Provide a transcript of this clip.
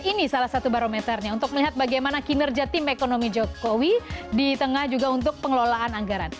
ini salah satu barometernya untuk melihat bagaimana kinerja tim ekonomi jokowi di tengah juga untuk pengelolaan anggaran